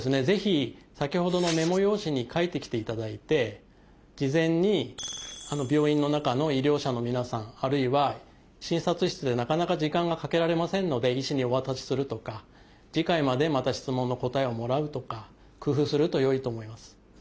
ぜひ先ほどのメモ用紙に書いてきていただいて事前に病院の中の医療者の皆さんあるいは診察室でなかなか時間がかけられませんので医師にお渡しするとか次回までまた質問の答えをもらうとか工夫するとよいと思います。